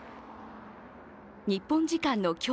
日本時間の今日